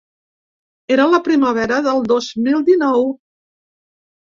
Era la primavera del dos mil dinou.